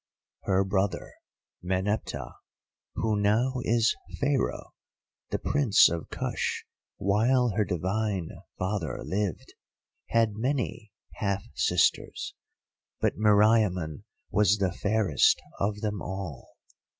Her brother Meneptah—who now is Pharaoh—the Prince of Kush while her divine father lived, had many half sisters, but Meriamun was the fairest of them all.